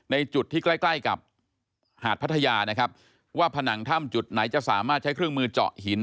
จุดที่ใกล้ใกล้กับหาดพัทยานะครับว่าผนังถ้ำจุดไหนจะสามารถใช้เครื่องมือเจาะหิน